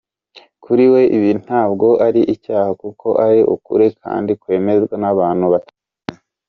Kuri we, ibi ntabwo ari icyaha kuko ari ukuri kandi kwemezwa n'abantu batandukanye.